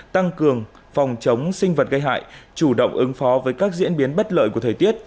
tăng cường phòng chống sinh vật gây hại chủ động ứng phó với các diễn biến bất lợi của thời tiết